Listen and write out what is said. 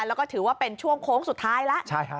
แล้วก็ถือว่าเป็นช่วงโค้งสุดท้ายแล้ว